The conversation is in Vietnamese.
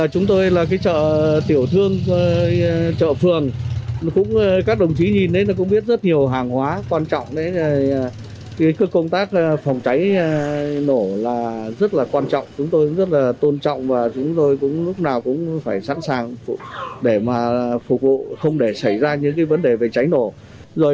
chúng tôi là chợ tiểu thương chợ phường các đồng chí nhìn cũng biết rất nhiều hàng hóa quan trọng công tác phòng cháy nổ rất quan trọng chúng tôi rất tôn trọng và chúng tôi lúc nào cũng phải sẵn sàng để phục vụ không để xảy ra những vấn đề về cháy nổ